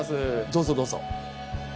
どうぞどうぞ。